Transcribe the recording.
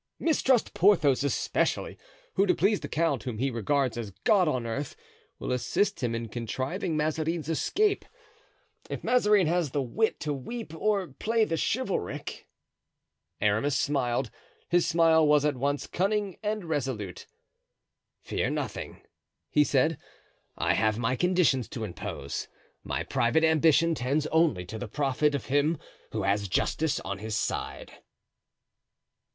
Mistrust Porthos, especially, who, to please the count whom he regards as God on earth, will assist him in contriving Mazarin's escape, if Mazarin has the wit to weep or play the chivalric." Aramis smiled; his smile was at once cunning and resolute. "Fear nothing," he said; "I have my conditions to impose. My private ambition tends only to the profit of him who has justice on his side."